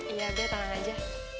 iya beh tangan aja